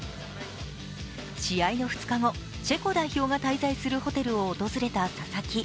試合の２日後、チェコ代表が滞在するホテルを訪れた佐々木。